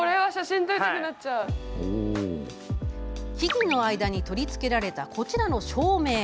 木々の間に取り付けられたこちらの照明。